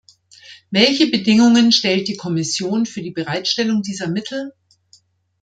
Welche Bedingungen stellt die Kommission für die Bereitstellung dieser Mittel?